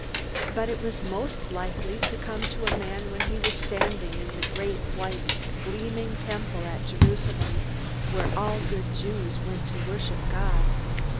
But it was most likely to come to a man when he was standing in the great, white, gleaming Temple at Jerusalem, where all good Jews went to worship God.